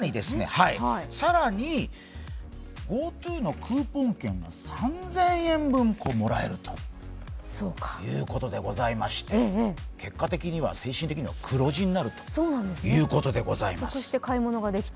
更に、ＧｏＴｏのクーポン券を３０００円分もらえるということでございまして結果的には、精神的には黒字になるということでございます。